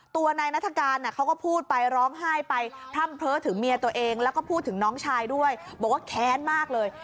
ตัวนายนัฐกาลเขาก็พูดไปร้องไห้ไปพร่ำเพ้อถึงเมียตัวเองแล้วก็พูดถึงน้องชายด้วยบอกว่าแค้นมากเลย